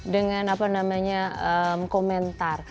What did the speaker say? dengan apa namanya komentar